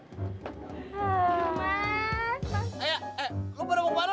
eh ayo lu pada mau kemana lu